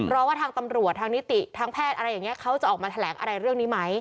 ว่าทางตำรวจทางนิติทางแพทย์อะไรอย่างนี้เขาจะออกมาแถลงอะไรเรื่องนี้ไหม